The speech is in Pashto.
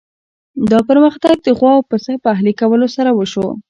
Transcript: دا پرمختګ د غوا او پسه په اهلي کولو سره وشو.